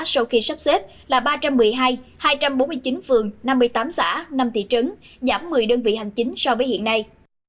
sau khi sắp xếp là ba trăm một mươi hai hai trăm bốn mươi chín phường năm mươi tám xã năm thị trấn giảm một mươi đơn vị hành chính so với hiện nay